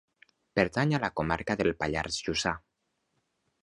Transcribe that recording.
Pertany a la comarca del Pallars Jussà.